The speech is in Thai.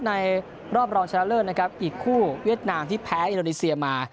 ลอร์บรองชาลเลิกอีกคู่เวียดนามที่แพ้อโนโลนีเซียมา